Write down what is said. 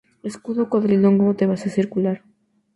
Escudo cuadrilongo, de base circular.